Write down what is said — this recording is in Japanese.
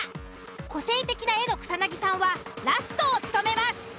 個性的な絵の草さんはラストを務めます。